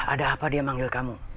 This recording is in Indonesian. ada apa dia manggil kamu